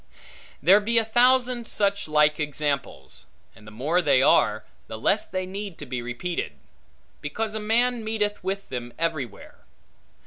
There be a thousand such like examples; and the more they are, the less they need to be repeated; because a man meeteth with them everywhere.